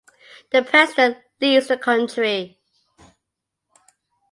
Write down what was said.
The president leads the country.